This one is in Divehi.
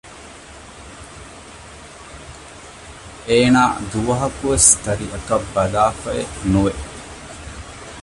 އޭނާ ދުވަހަކު ވެސް ތަރިއަކަށް ބަލާފައެއް ނުވެ